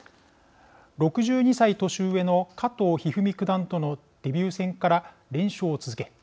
６２歳年上の加藤一二三、九段とのデビュー戦から連勝を続け